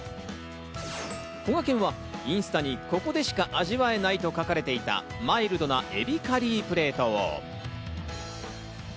こがけんはインスタにここでしか味わえないと書かれていたマイルドな海老カリープレートを。